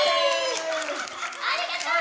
ありがとう！